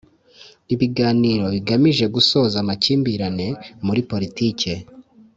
ibiganiro bigamije gusoza amakimbirane muri politike